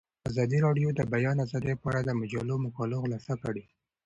ازادي راډیو د د بیان آزادي په اړه د مجلو مقالو خلاصه کړې.